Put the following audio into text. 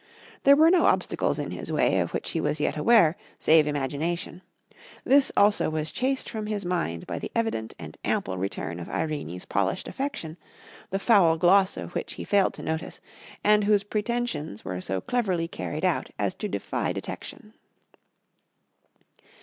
There were no obstacles in his way of which he was yet aware, save imagination; this, also, was chased from his mind by the evident and ample return of Irene's polished affection, the foul gloss of which he failed to notice, and whose pretentions were so cleverly carried out as to defy detection.